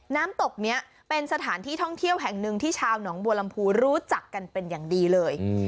น้ำตกนี้เป็นสถานที่ท่องเที่ยวแห่งหนึ่งที่ชาวหนองบัวลำพูรู้จักกันเป็นอย่างดีเลย